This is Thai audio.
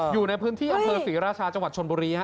อยู่ในพื้นที่อำเภอศรีราชาจังหวัดชนบุรีฮะ